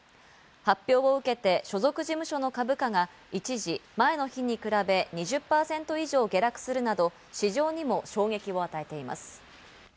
発表を受けて、所属事務所の株価が一時、前の日に比べて２０％以上下落するなど市場にも衝撃を与えています。